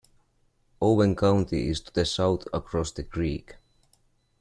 Owen County is to the south across the creek.